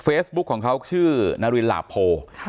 เฟซบุ๊คของเขาชื่อนารินหลาโพ